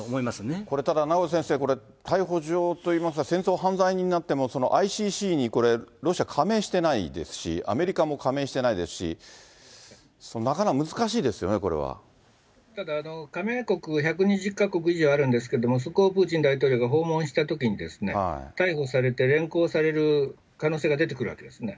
これただ、名越先生、これ、逮捕状といいますか、戦争犯罪人になっても、ＩＣＣにこれ、ロシアは加盟してないですし、アメリカも加盟してないですし、なかなか難しいですよね、これは。加盟国が１２０か国以上あるんですけれども、そこをプーチン大統領が訪問したときに、逮捕されて、連行される可能性が出てくるわけですね。